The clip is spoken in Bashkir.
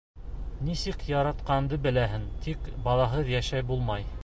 — Нисек яратҡанды беләһең, тик балаһыҙ йәшәп булмай.